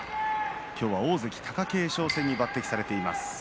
今日は大関貴景勝戦に抜てきされています。